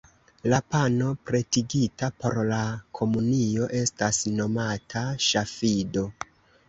La pano pretigita por la komunio estas nomata "ŝafido".